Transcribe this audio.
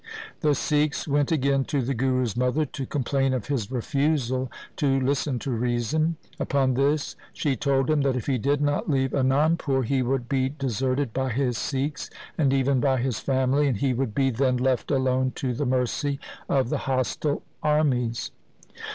The Sikhs went again to the Guru's mother to complain of his refusal to listen to reason. Upon this she told him that if he did not leave Anandpur, N2 i8o THE SIKH RELIGION he would be deserted by his Sikhs and even by his family, and he would be then left alone to the mercy of the hostile armies.